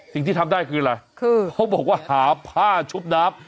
สิ่งที่ทำได้คืออะไรคือเขาบอกว่าหาผ้าชุบน้ำ